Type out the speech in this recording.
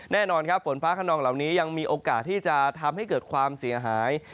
แน่นอนครับฝนฟ้าขนองเหล่านี้ยังมีโอกาสที่จะทำให้เกิดความเสียหาย